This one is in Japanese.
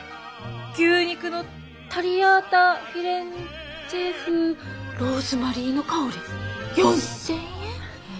牛肉のタリアータフィレンツェ風ローズマリーの香り４，０００円！？